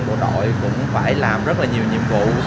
bộ đội cũng phải làm rất là nhiều nhiệm vụ